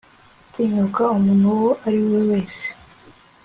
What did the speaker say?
gutinyuka umuntu uwo ari we wese